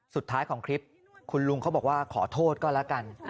สุดท้ายของคลิปคุณลุงเขาบอกว่าขอโทษก็แล้วกัน